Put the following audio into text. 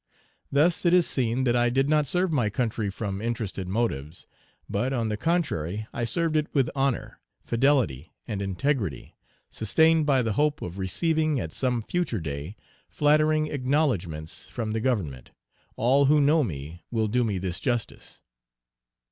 Thus it is seen that I did not serve my country from interested motives; but, on the contrary, I served it with honor, fidelity, and integrity, sustained by the hope of receiving, at some future day, flattering acknowledgments from the Government; all who know me will do me this justice.